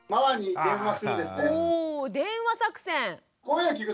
お電話作戦。